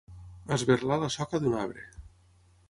Esberlar la soca d'un arbre.